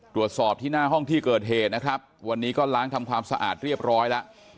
ตรวจสอบที่หน้าห้องที่เกิดเหตุนะครับวันนี้ก็ล้างทำความสะอาดเรียบร้อยแล้ว